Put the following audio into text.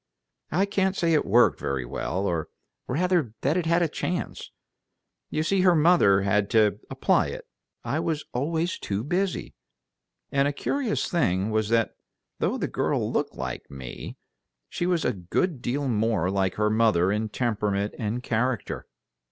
"I can't say it worked very well, or rather that it had a chance. You see, her mother had to apply it; I was always too busy. And a curious thing was that though the girl looked like me, she was a good deal more like her mother in temperament and character."